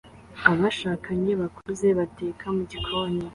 Abashakanye bakuze bateka mugikoni